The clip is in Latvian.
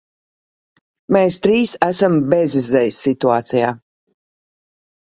Mēs trīs esam bezizejas situācijā.